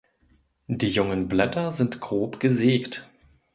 Die jungen Blätter sind grob gesägt.